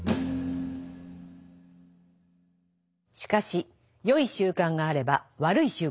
しかしよい習慣があれば悪い習慣もある。